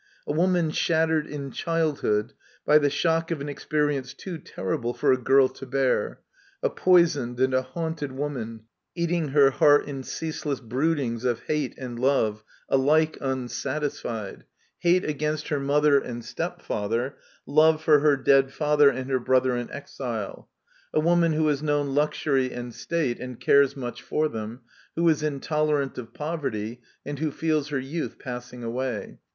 A woman shattered in childhood by the shock of an experience too terrible for a girl to bear ; a poisoned and a haunted woman, eating her heart in ceaseless broodings of hate and love, alike unsatisfied — hate Digitized by VjOOQIC INTRODUCTION « against her mother and stepfather, love for her dead father and her brother in exile ; a woman who has known luxury and state, and cares much for them ; who is intolerant of poverty, and who feels her youth passing away.